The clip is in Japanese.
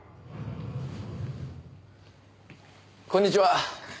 こんにちは。